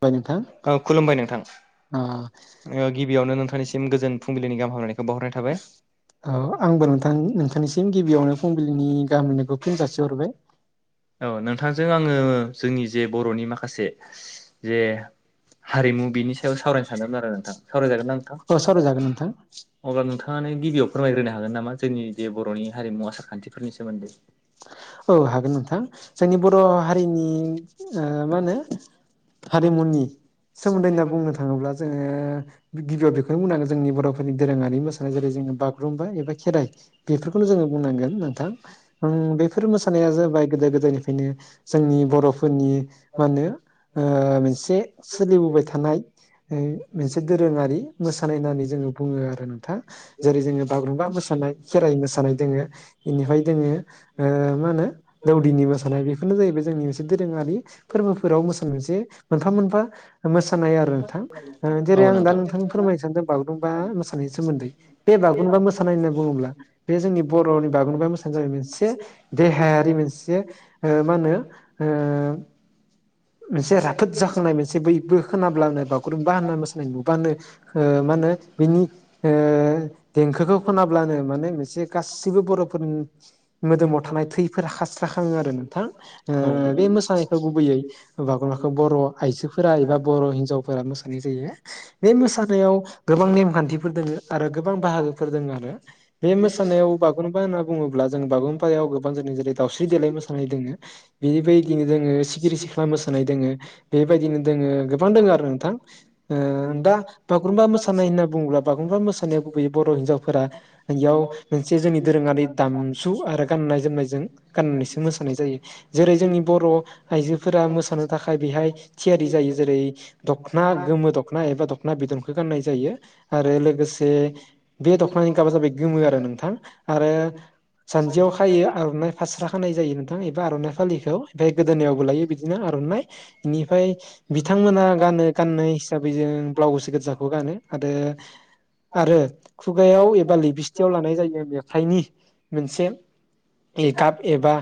[unintelligible] नोंथां औ खुलुमबाय नोंथां औ ओ गिबियावनो नोंथांनिसिम गोजोन फुंबिलिनि गाहाम हामलनायखौ बावहरनाय थाबाय औ आंबो नोंथां नोंथांनिसिम गिबियावनो फुंबिलिनि गाहाम हामलायखौ फिन जासिहरबाय औ नोंथांजों आङो जोंनि जे बर'नि माखासे जे हारिमु बिनि सायाव सावरायनो सानदोंमोन आरो नोंथां सावरायजागोन ना नोंथां अ सावरायजागोन नोंथां अब्ला नोंथाङानो गिबियाव फोरमायग्रोनो हागोन नामा जोंनि जे बर'नि हारिमु आसार‌ खान्थिफोरनि सोमोन्दै औ हागोन नोंथां जोंनि बर' हारिनि ओ मा होनो हारिमुनि सोमोन्दै होनना बुंनो थाङोब्ला जोङो गिबियाव बेखौनो बुंनांगोन जोंनि बर' नि दोरोङारि मोसानाय जेरै जोङो बागुरुम्बा एबा खेराइ बेफोरखौनो जोङो बुंनांगोन नोंथां ओं बेफोर मोसानाया जाबाय गोदो गोदायनिफ्रायनो जोंनि बर'फोरनि मा होनो ओ मोनसे सोलिबोबाय थानाय ओ मोनसे दोरोङारि मोसानाय होननानै जोङो बुङो आरो नोंथा जेरै जोङो बागुरुम्बा मोसानाय खेराइ मोसानाय दोङो इनिफाय दोङो ओ मा होनो दौदिनि मोसानाय बेफोरनो जाहैबाय जोंनि मोनसे दोरोङारि फोरबोफोराव मोसानाय मोनसे मोनफा मोनफा मोसानाय आरो नोंथां ओ औ जेरै आं दा नोंथां नोंथांनो फोरमायनो सानदों बागुरुमबा मोसानायनि सोमोन्दै बे बागुरुमबा मोसानाय होनना बुङोब्ला बे जोंनि बर'नि बागुरुमबा मोसानायानो जाबाय मोनसे मोनसे देहायारि मोनसे ओ मा होनो ओ मोनसे राफोद जाखांनाय मोनसे बयबो खोनाब्लानो बागुरुम्बा होनना मोसानाय नुबानो ओ मा होनो बिनि ओ देंखोखौ खोनाब्लानो माने मोनसे गासिबो बर'फोरनि मोदोमाव थानाय थैफोरा खास्राखाङो आरो नोंथां बे मोसानायखौ गुबैयै औ बागुरुम्बाखौ बर' आइजोफोरा एबा बर' हिन्जावफोरा मोसानाय जायो बे मोसानायाव गोबां नेमखान्थिफोर दोङो आरो गोबां बाहागोफोर दों आरो बे मोसानायाव बा गुरुमबा होनना बुङोब्ला जों बागुरुमबायाव गोबां जोंनि जेरै दावस्रि देलाय मोसानाय दोङो बेबायदिनो दोङो सिखिरि सिख्ला मोसानाय दोङो बेबायदिनो दोङो गोबां दोङो आरो नोंथां ओ दा बागुरुम्बा मोसानाय होनना बुङोब्ला बागुरुमबा मोसानायाव गुबै बर' हिनजावफोरा बेयाव मोनसे जोंनि दोरोङारि दामजु आरो गाननाय जोमनायजों गाननानैसो मोसानाय जायो जेरै जोंनि बर' आइजो फोरा मोसानो थाखाय बेहाय थियारि जायो जेरै दख'ना गोमो दख'ना एबा दख'ना बिदनखौ गाननाय जायो आरो लोगोसे बे दख'नानि गाबा जाबाय गोमो आरो नोंथां आरो जानजियाव खायो आर'नाय फास्रा खानाय जायो नोंथां एबा आर'नाइ फालिखौ आमफ्राय गोदोनायावबो लायो बिदिनो आर'नाइ बेनिफ्राय बिथांमोना गानो गाननाय हिसाबै जों ब्लाउस गोजाखौ गानो आरो आरो खुगायाव एबा लैबिस्थियाव लानाय जायो मेथाइनि मोनसे मेकाप [unintelligible] एबा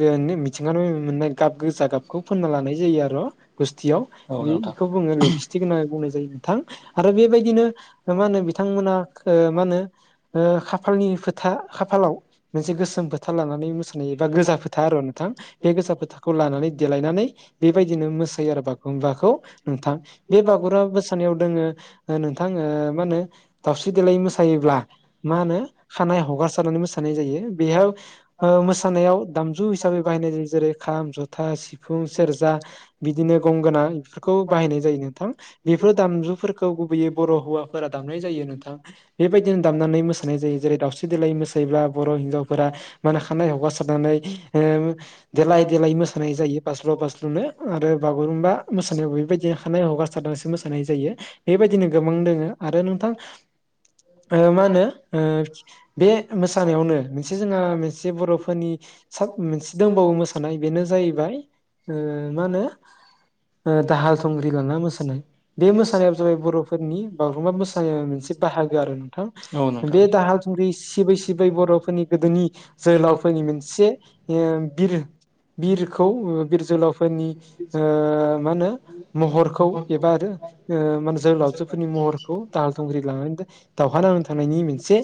बे मिथिंगानिफ्राय मोननाय गाप गोजा गाबखौ फुनना लानाय जायो आरो' गुस्थियाव बेखौ बुङो लिफिस थिग होननानै बुंनाय जायो नोंथां आरो बेबायदिनो मा होनो बिथांमोना ओ मा होनो ओ खाफालनि फोथा खाफालाव मोनसे गोसोम फोथा लानानै मोसानाय एबा गोजा फोथा आरो नोंथां बे गोजा फोथाखौ लानानै देलायनानै बेबायदिनो मोसा जायो आरो बागुरुमबाखौ नोंथां बे बागुरुमबा मोसानायाव दोङो ओ नोंथाङो ओ मा होनो दावस्रि देलाय मोसायोब्ला मा होनो खानाय हगारसारनानै मोसानाय जायो बेयाव ओ मोसानायाव दामजु हिसाबै बाहायनाय जायो जेरै खाम जथा सिफुं सेरजा बिदिनो गंगोना बेफोरखौ बाहायनाय जायो नोंथां। बेफोर दामजुफोरखौ गुबैयै बर' हौवाफोरा दामनाय जायो नोंथां। बेबायदिनो दामनानै मोसानाय जायो जेरै दावस्रि देलाय मोसायोब्ला बर' हिनजावफोरा माने खानाय हगारासारनानै देलाय देलाय मोसानाय जायो। बास्ल' बास्ल'नो आरो बागुरुम्बा मो बेबायदिनो खानाय हगारासारनासो मोसानाय जायो बेबायदिनो गोबां दोङो आरो नोंथां ओ मा होनो ओ बे मोसानायावनो मोनसे जोंहा मोनसे बर'फोरनि साब मोनसे दंबावो मोसानाय बेनो जाहैबाय ओ मा होनो ओ दाहाल थुंग्रि लाना मोसानाय बे मोसानाया जाबाय बर'फोरनि बागुरुम्बा मोसानाया मोनसे बाहागो आरो नोंथां बे दाहा थुंग्रि सिबै सिबै बर'फोरनि गोदोनि जोहोलावफोरनि मोनसे बिर बिरखौ बिर जोहोलाव फोरनि ओ मा होनो महरखौ एबा रो ओ मा जोहोलावजोफोरनि महर औ दाहाल थंख्रि लानानै दावहा नांनो थांनायनि मोनसे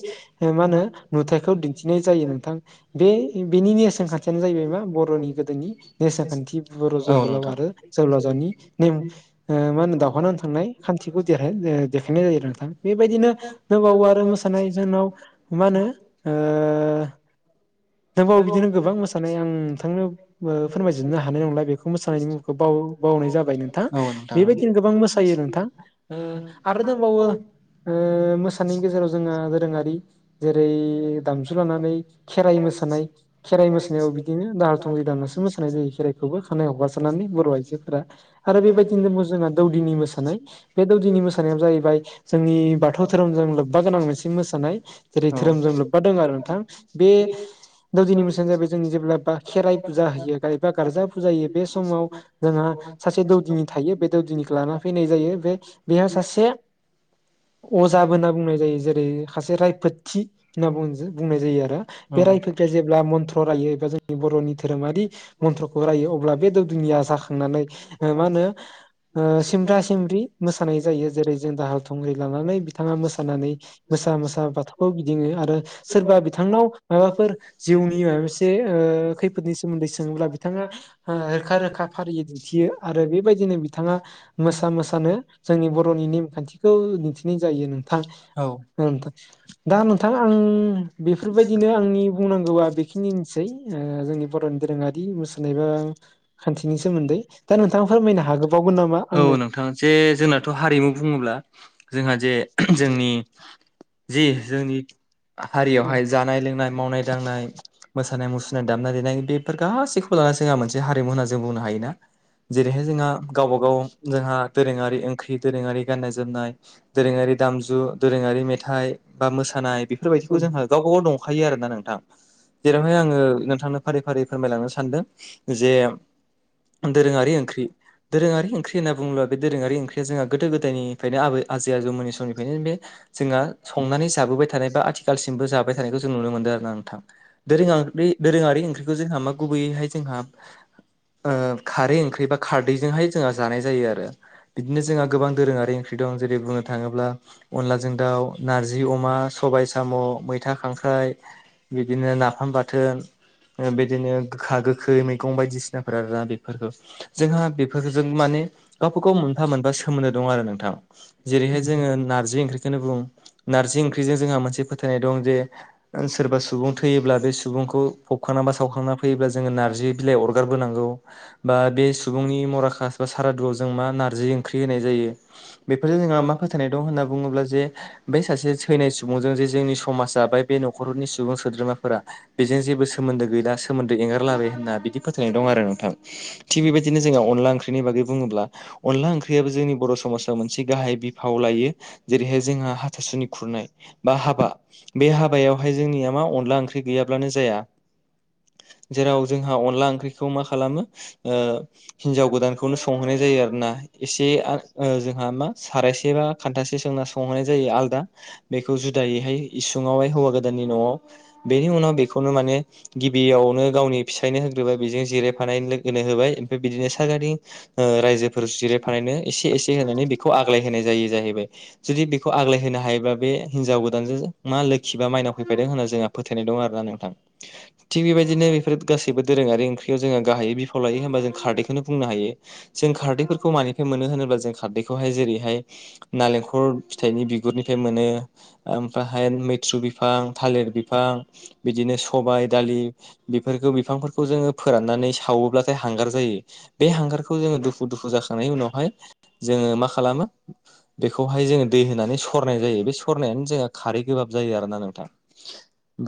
मा होनो नुथायखौ दिन्थिनाय जायो नोंथां। बे बेनि नेरसोन खान्थियानो जाहैबाय मा बर'नि गोदोनि नेरसोन खान्थि। बर' औ जोहोलाव नोंथां आरो जोहोलावजोनि नेम ओ मा होनो दावहा नांथांनाय खान्थिखौ देर देखायनाय जायो आरो नोंथां बेबायदिनो दंबावो आरो मोसानाय जोंनाव मा होनो ओ [inaudible] नोंबाव बिदिनो गोबां मोसानाय आं नोंथांनो ओ फोरमाय हानाय नंला बेखौ मोसानायनि मुंखौ बाव बावनाय जाबाय नोंथां। बेबायदिनो गोबां मोसायो नोंथां आरो दंबावो। मोसानाय गेजेराव जोंङहा दोरोङारि जेरै दामजु लानानै खेराइ मोसानाय। खेराइ मोसानायाव बिदिनो दाहाल थुंग्रि दामनासो मोसायो। खानाय [unintelligible] जायो खेराइखौबो खानाय हगासारानानै बर' आइजोफोरा आरो बेबायदिनो दङ' जोंहा दौदिनि मोसानाय। बे दौदिनि मोसानायानो जाहैबाय जोंनि बाथौ धोरोमजों लोब्बा गोनां मोनसे मोसानाय। जेरै धोरोमजों लोब्बा दोङो आरो नोंथां। बे दौवदिनि मोसानायानो जाबाय जों जेब्ला खेराइ फुजा होयो बा गारजा फुजाहायो बे समाव जोंहा सासे दौदिनि थायो बे दौदिनिखौ लाना फैनाय जायो बे बेयाव सासे अजाबो होनना बुंनाय जायो जेरै खासे रायफोथि होनना बुं बुंनाय जायो आरो। औ नोंथां। ब्ला मन्थ्र' रायो एबा जोंनि बर'नि धोरोमारि मन्त्रखौ रायो अब्ला बे दौदुनिया जाखांनानै मा होनो सिमब्रा सिमब्रि मोसानाय जायो जेरै जों दाहाल थुंग्रि लानानै बिथाङा मोसानानै मोसा मोसा बाथौखौ गिदिङो आरो सोरबा बिथांनाव माबाफोर जिउनि माबा मोनसे ओ खैफोदनि सोमोन्दै स सोङोब्ला बिथाङा रोखा रोखा फारियै दिन्थियो आरो बेबायदिनो बिथाङा मोसा मोसानो जोंनि बर'नि नेमखान्थिखौ दिन्थिनाय जायो नोंथां नोंथा दा नोंथां आं बेफोरबायदिनो आंनि बुंनांगौआ बेखिनिसै जोंनि बर'नि दोरोङारि मोसानाय बा खान्थिनि सोमोन्दै दा नोंथाङा फोरमायनो हागोबावगोन नामा औ नों आंनो? नोंथां जे जोंनाथ' हारिमु बुङोब्ला जोंहा जे जोंनि जे जोंनि हारियावहाय जानाय लोंनाय मावनाय दानाय मोसानाय मुुसुनाय दामनाय देनाय बेफोर गासैखौबो लानानै जों मोनसे हा देमुना जौबुनो हायोना जेरैहाय जोंहा गावबा गाव जोंहा दोरोङारि ओंख्रि दोरोङारि गान्नाय जोमनाय दोरोङारि दामजु दोरोङारि मेथाइ बा मोसानाय औ बेफोरबायदिखौ जोंहा गावबा गाव दंखायो आरोना नोंथां। जेरावहाय आङो नोंथांनो फारि फारि फोरमायलांनो सानदों। जे औ दोरोङारि ओंख्रि दोरोङारि ओंख्रि होनना बुङोब्ला बे दोरोङारि ओंख्रि बे जोंहा गोदो गोदायनिफ्रायनो आबै आजै आजौमोननि समनिफ्रायनो बे जोंहा संनानै जाबोबाय थानाय बा आथिखालसिमबो जाबाय थानायखौ जों नुनो मोनदों आरोना नोंथां। दोरों दोरोङारि ओंख्रिखौ जोंहा मा गुबैयैहाय जोंहा ओ खारै ओंख्रि बा खारदैजोंहाय जोंहा जानाय जायो आरो बिदिनो जोंहा गोबां दोरोङारि ओंख्रि दं जेरै बुंनो थाङोब्ला अनलाजों दाउ, नारजि अमा, सबाय साम', मैथा खांख्राइ बिदिनो नाफाम बाथोन ओ बिदिनो गोखा गोखै मैगं बायदिसि जफोरा बेफोरखौ जोंहा बेफोर जों माने गावबा गाव मोनफा मोनफा सोमोनदो दं आरो नोंथां। जेरैहाय जोङो नारजि ओंख्रिखौनो बुं नारजि ओंख्रिजों जोंहा मोनसे फोथायनाय दं जे ओ‌ सोरबा सुबु सुबुं थैयोब्ला बे सुबुंखौ फबखांनानै बा सावखांना फैयोब्ला जोङो नारजि बिलाइ अरगारबोनांगौ। बा बे सुबुंनि मराखास बा सारादुआव जों मा नारजि ओंख्रि होनाय जायो। बेफोरजों जोंहा मा फोथायनाय दं होनना बुङोब्ला जे बे सासे थैनाय सुबुंजों जे जोंनि समाजा बा बे न'खरनि सुबुं सोद्रोमाफोरा बेजों जेबो सोमोन्दो गैला सोमोन्दो एंगारलाबाय होनना बिदि फोथायनाय दं आरो नोंथां थिग बेबायदिनो जों जोंहा अनला ओंख्रिनि बागै बुङोब्ला अनला ओंख्रियाबो जोंनि बर' समाजाव मोनसे गाहाय बिफाव लायो। जेरैहाय जोंहा हाथासुनि खुरनाय बा हाबा बे हाबायावहाय जों जोंनिया मा अनला ओंख्रि गैयाब्लानो जाया। जेराव जोंहा अनला ओंख्रिखौ मा खालामो ओ हिन्जाव गोदानखौनो संहोनाय जायो आरो ना। एसे आ ओ जोंहा मा सारायसे बा खान्थासे जोंना संहैनाय जायो आलदा। बेखौ जुदायैहाय इसुङावहाय हौवा गोदा गोदाननि न'आव बेनि उनाव बेखौनो माने गिबियावनो गावनि फिसायनो होग्रोबाय बेजों जिरायफानाय लोगोनो होबाय ओमफ्राय बिदिनो सागारिं ओ रायजोफोर जिरायफानायनो एसे एसे होनानै बेखौ आग्लाय होनाय जायो जाहैबाय। जुदि बेखौ आग्लाय होनो हायोबा बे हिनजाव गोदानजों मा लोखि बा माइनाव फैफादों होनना जोंहा फोथायनाय दं आरो ना नोंथां। थिग बेबायदिनो बेफोर गासैबो दोरोङारि ओंख्रियाव जोंहा गाहायै बिफाव लायो होमबा जों खारदैखौनो बुंनो हायो। जों खारदैफोरखौ मानिफ्राय मोनो होनोब्ला जों खारदैखौहाय जेरैहाय नालेंखर फिथाइनि बिगुरनिफ्राय मोनो ओमफ्रायाहाय मैथ्रु बि बिफां थालिर बिफां बिदिनो सबाय दालि बेफोरखौ बिफांफोरखौ जोङो फोराननानै सावोब्लाथाय हांगार जायो। बे हांगारखौ जोङो दुफु दुफु जाखांनायनि उनावहाय जोङो मा खालामो बेखौहाय जोङो दै होनानै सरनाय जायो बे सरनायानो जोंहा खारै गोबाब जायो आरो ना नों थां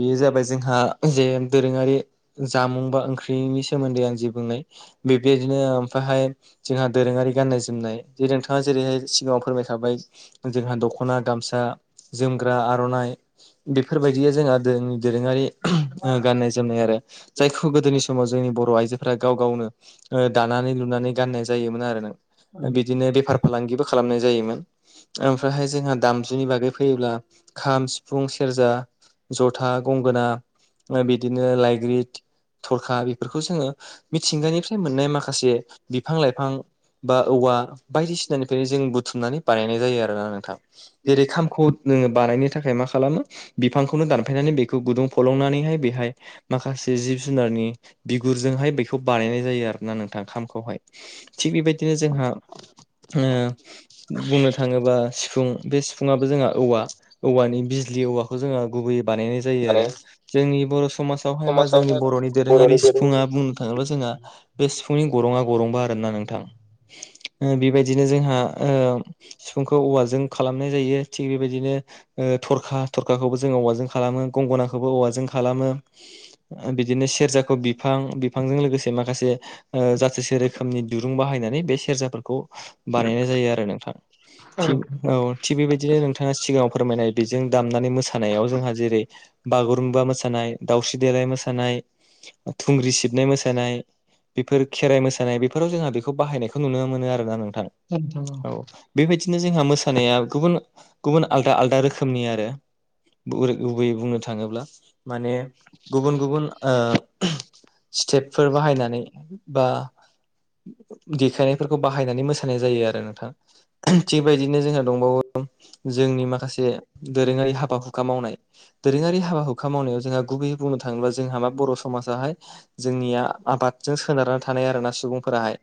बेयो जाबाय जोंहा जे दोरोङारि जामुं बा ओंख्रिनि सोमोन्दै आं जे बुंनाय। बे--बेदिनो ओमफ्रायहाय जोंहा दोरोङारि गान्नाय जोमनाय। जोमनाय जे नोंथाङा जेरैहाय सिगाङाव फोरमायखाबाय जोंहा दख'ना, गामसा, जोमग्रा, आर'नाइ बेफोरबायदिहा जोंहा दो--दोरोङारि गाननाय जोमनाय आरो। जायखौ गोदोनि समाव जोंनि बर' आइजोफोरा गाव गावनो ओ दानानै लुनानै गाननाय जायोमोन आरो नों बिदिनो बेफार [unintelligible] फालांगिबो खालामनाय जायोमोन ओमफ्रायहाय जोंहा दामजुनि बागै फैयोब्ला खाम, सिफुं, से सेरजा, जथा, गंगोना ओ बिदिनो लाइग्रिद थरखा बेफोरखौ जोङो मिथिंगानिफ्राय मोननाय माखासे बिफां लाइफां बा औवा बायदिसिनानिफ्रायनो जों बुथुमनानै बानायनाय जायो आरोना नोंथां। जेरै खामखौ जोङो बानायनो थाखाय मा खालामो बिफांखौनो दानफायनानै बेखौ गुदुं फलंनानैहाय बेहाय माखासे जिब जुनारनि बिगुरजोंहाय बेखौ बानायनाय जायो आरोना नोंथां खामखौहाय। थिग बेबायदिनो जोंहा ओ बुंनो थाङो बा सिफुं बे सिफु जोंहा औवा औवानि बिज्लि जोंहा गुबैयै बानायनाय जायो आरो जोंनि बर' समाजावहाय बा माने समाजाव जोंनि बर'नि दोरोङारि सिफुङा बुंनो थाङोब्ला जोंहा बे सिफुंनि गरङा गरंबा आरोना नोंथां। बेबायदिनो जोंहा ओ सिफुंखौ औवाजों खालामनाय जायो थिग बेबायदिनो ओ थरखा थरखाखौबो जों औवाजों खालामो गंगनाखौबो औवाजों खालामो। बिदिनो सेरजाखौ बिफां बिफांजों लोगोसे माखासे जाथोसे रोखोमनि दुरुं बाहायनानै बे सेरजाफोरखौ बानायनाय जायो आरो नोंथां। औ थिग औ थिग बेबायदिनो नोंथाङा सिगाङाव फोरमायनाय बेजों दामनानै मोसानायाव जोंहा जेरै बागुरुम्बा मोसानाय दाावस्रि देलाय मोसानाय। थुंग्रि सिबनाय मोसानाय बेफोर खेराइ मोसानाय बे बेफोराव जोंहा बेखौ बाहायनायखौ नुनो मोनो आरोना नोंथां। नोंथां औ बेबायदिनो जोंहा मोसानाया गुबुन गुबुन आलदा आलदा रोखोमनि आरो। गुबैयै बुंनो थाङोब्ला। माने गुबुन गुबुन ओ स्टेपफोर बाहायनानै बा देखायनायफोरखौ बाहायनानै मोसानाय जायो आरो नोंथां थिगबायदिनो जोंहा दंबावो जोंनि माखासे दोरोङारि हाबा हुखा मावनाय दोरोङारि हाबा हुखा मावनायाव जोंहा गुबैयै बुंनो थाङोब्ला जोंहा मा बर' समाजाहाय जोंनिया आबादजों सोनारना थानाय आरोना सुबुंफोराहाय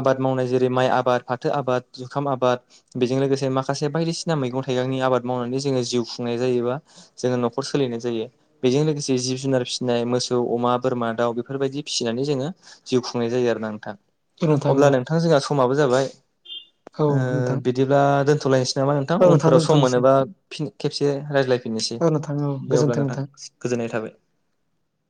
आबाद मावनाय जेरै माइ आबाद फाथो आबाद जुखाम आबाद बेजों लोगोसे माखासे बायदिसिना मैगं थाइगंनि आबाद मावनानै जोङो जिउ खुंनाय जायो बा जोङो न'खर सोलिनाय जायो। बेजों लोगोसे जिब जुनार फिसिनाय मोसौ, अमा, बोरमा, दाउ बेफोरबायदि फिसिनानै जोङो जिउ खुंनाय जायो आरो ना नोंथां। औ औ अब्ला नोंथां जोंहा समाबो जाबाय औ नोंथां बिदिब्ला दोनथ'लायनोसै नामा नोंथां औ उनफोराव सम दोनथ'नोसै मोनोबा खेबसे रायज्लायफिननोसै औ नोंथां औ दे अब्ला गोजोन्थों नोंथां गोजोननाय थाबाय।